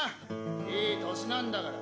いい歳なんだから。